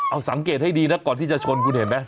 เอาสังเกตให้ดีนะก่อนที่จะชนคุณเห็นไหม